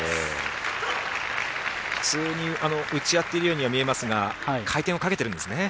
普通に打ち合っているように見えますが回転をかけているんですね。